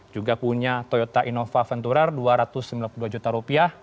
juga punya toyota innova ventura rp dua ratus sembilan puluh dua juta